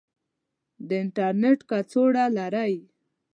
د انترنیټ کڅوړه لرئ؟